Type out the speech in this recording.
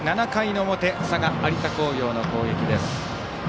７回の表佐賀・有田工業の攻撃です。